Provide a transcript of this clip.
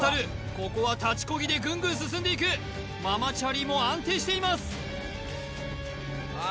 ここは立ちこぎでぐんぐん進んでいくママチャリも安定しています